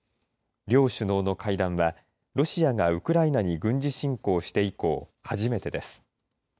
両首脳の会談はロシアがウクライナに軍事侵攻して以降、初めてです。